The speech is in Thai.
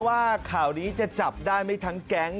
ว่าข่าวนี้จะจับได้ไม่ทั้งแก๊ง